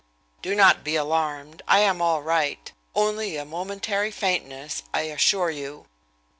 "Do not be alarmed I am all right only a momentary faintness, I assure you."